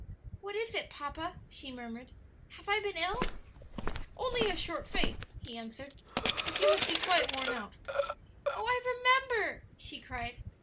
"What is it, papa?" she murmured; "have I been ill?" "Only a short faint," he answered. "But you must be quite worn out." "Oh, I remember!" she cried.